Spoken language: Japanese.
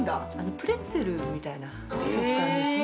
◆プレッツェルみたいな食感ですね。